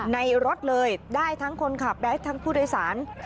ในรถเลยได้ทั้งคนขับและทั้งผู้โดยสาร